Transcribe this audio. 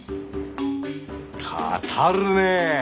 語るねえ！